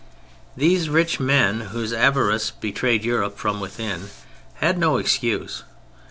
These rich men, whose avarice betrayed Europe from within, had no excuse.